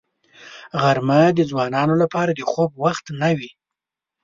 غرمه د ځوانانو لپاره د خوب وخت نه وي